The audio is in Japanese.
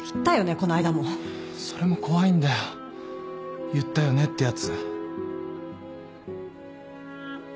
この間も。それも怖いんだよ「言ったよね？」ってやつ。